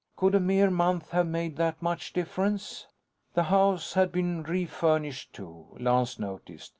Could a mere month have made that much difference? The house had been refurnished too, Lance noticed.